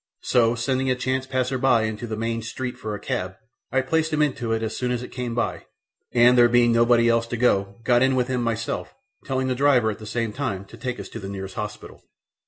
So, sending a chance passer by into the main street for a cab, I placed him into it as soon as it came, and there being nobody else to go, got in with him myself, telling the driver at the same time to take us to the nearest hospital.